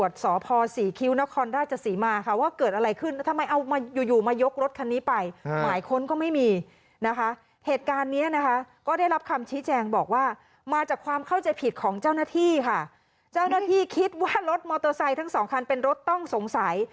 ใช่ครับแล้วก็เสริมเสียชื่อเสียงไว้เขาจะมองเราเป็นคนไม่ดีไปเลยครับ